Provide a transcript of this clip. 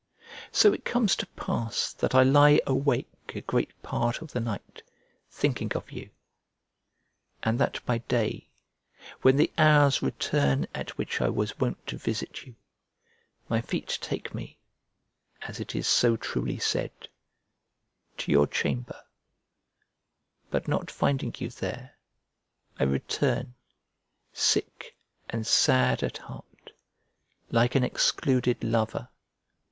So it comes to pass that I lie awake a great part of the night, thinking of you; and that by day, when the hours return at which I was wont to visit you, my feet take me, as it is so truly said, to your chamber, but not finding you there, I return, sick and sad at heart, like an excluded lover.